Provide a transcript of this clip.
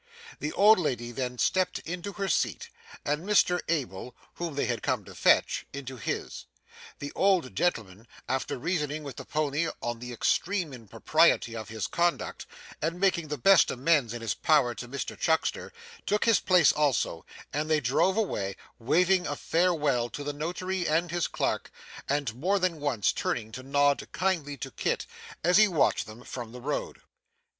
The old lady then stepped into her seat, and Mr Abel (whom they had come to fetch) into his. The old gentleman, after reasoning with the pony on the extreme impropriety of his conduct, and making the best amends in his power to Mr Chuckster, took his place also, and they drove away, waving a farewell to the Notary and his clerk, and more than once turning to nod kindly to Kit as he watched them from the road.